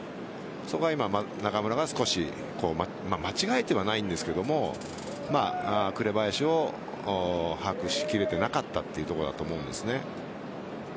そこが今、中村が少し間違えてはないんですが紅林を把握しきれていなかったというところだと思うんです。